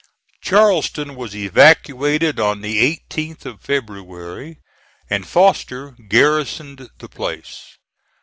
Charleston was evacuated on the 18th of February, and Foster garrisoned the place.